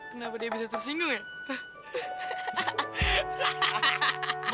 kenapa dia bisa tersinggung ya